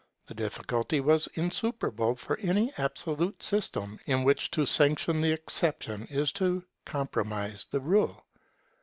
The difficulty was insuperable for any absolute system, in which to sanction the exception is to compromise the rule.